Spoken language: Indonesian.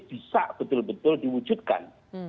bisa betul betul diwujudkan